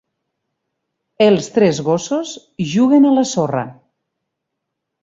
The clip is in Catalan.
Els tres gossos juguen a la sorra.